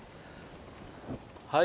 はい。